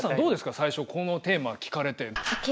最初このテーマ聞かれて。